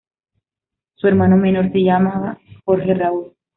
Su hermano menor se llamaba Jorge Raúl.